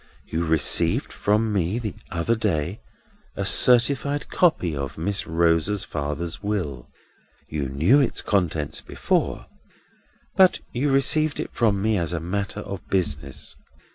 You received from me, the other day, a certified copy of Miss Rosa's father's will. You knew its contents before, but you received it from me as a matter of business.